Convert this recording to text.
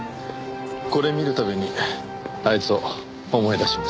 これ見るたびにあいつを思い出しますね。